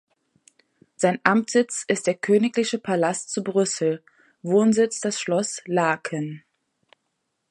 Sein Amtssitz ist der Königliche Palast zu Brüssel, Wohnsitz das Schloss Laeken.